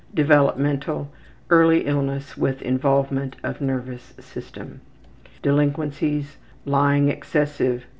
Developmental: Early illness with involvement of nervous system. Delinquencies: Lying excessive.